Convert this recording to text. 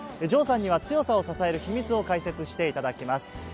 城さんには強さを支える秘密を解説していただきます。